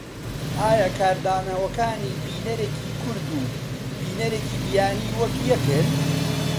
ئایا کاردانەوەکانی بینەرێکی کورد و بینەرێکی بیانی وەک یەکن؟